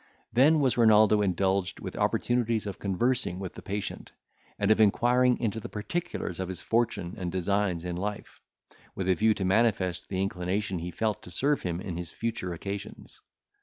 Then was Renaldo indulged with opportunities of conversing with the patient, and of inquiring into the particulars of his fortune and designs in life, with a view to manifest the inclination he felt to serve him in his future occasions.